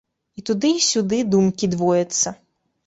І туды й сюды думкі двояцца.